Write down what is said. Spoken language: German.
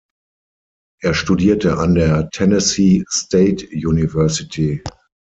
Er studierte an der Tennessee State University.